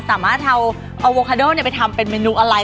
สามารถเอาโวคาโดไปทำเป็นเมนูอะไร